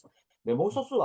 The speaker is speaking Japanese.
もう一つは、